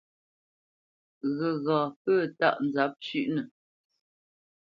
Ghəgha pə̂ tâʼ nzǎp shʉʼnə.